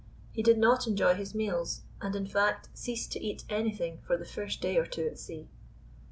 He did not enjoy his meals, and, in fact, ceased to eat anything for the first day or two at sea.